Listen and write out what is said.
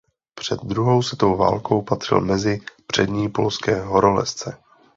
Před druhou světovou válkou patřil mezi přední polské horolezce.